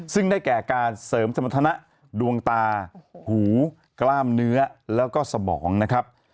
ซึ่งได้แก่การเสริมสมรรถนะดวงตาหูกล้ามเนื้อแล้วก็สมองนะครับ